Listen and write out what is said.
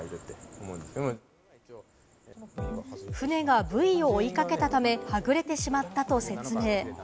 船がブイを追いかけたため、はぐれてしまったと説明。